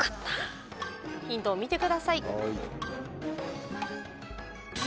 ヒントを見てください。